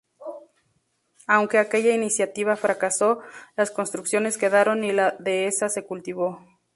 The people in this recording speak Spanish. Aunque aquella iniciativa fracasó, las construcciones quedaron y la dehesa se cultivó.